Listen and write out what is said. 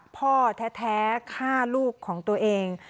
พ่อแท้ฆ่าลูกของตัวเอง